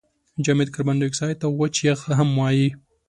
جامد کاربن دای اکساید ته وچ یخ هم وايي.